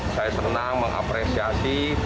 saya senang mengapresiasi